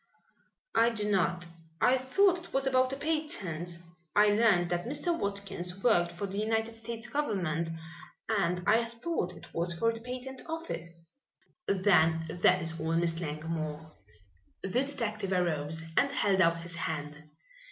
"I do not. I thought it was about a patent. I learned that Mr. Watkins worked for the United States government and I thought it was for the patent office." "Then that is all, Miss Langmore." The detective arose and held out his hand.